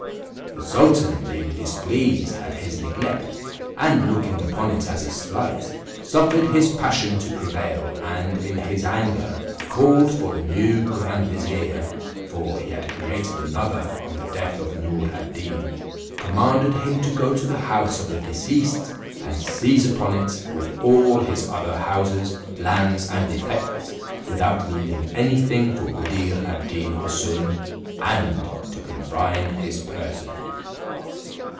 The sultan being displeased at his neglect, and looking upon it as a alight, suffered his passion to prevail, and in his anger, called for the new grand vizier, (for he had created another on the death of Noor ad Deen), commanded him to go to the house of the deceased, and seize upon it, with all his other houses, lands, and effects, without leaving any thing for Buddir ad Deen Houssun, and to confine his person.